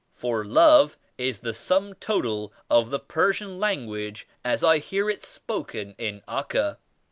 For "Love" is the sum total of the Persian language as I hear it spoken in Acca.